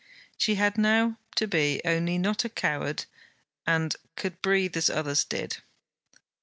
She had now to be, only not a coward, and she could breathe as others did.